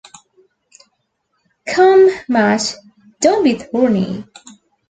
Come, Matt, don't be thorny.